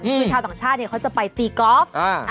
คือชาวต่างชาติเขาจะไปตีกอล์ฟ